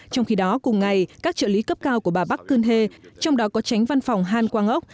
trong khi đó cùng ngày các trợ lý cấp cao của bà park geun hye trong đó có tránh văn phòng hàn quang ốc